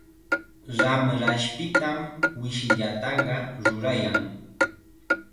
Ramrashpitam wishllataqa rurayan.